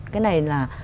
cái này là